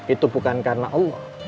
itu bukan karena allah